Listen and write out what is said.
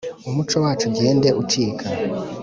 Umuco wacu ugende ucika .